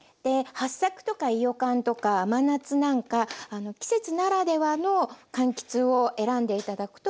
はっさくとかいよかんとか甘夏なんか季節ならではのかんきつを選んで頂くといいと思います。